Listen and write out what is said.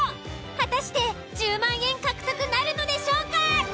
果たして１０万円獲得なるのでしょうか。